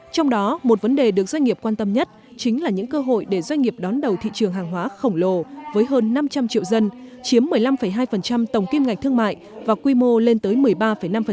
trong đó một vấn đề được doanh nghiệp quan tâm nhất chính là những cơ hội để doanh nghiệp đón đầu thị trường hàng hóa khổng lồ với hơn năm trăm linh triệu dân chiếm một mươi năm hai tổng kim ngạch thương mại và quy mô lên tới một mươi ba năm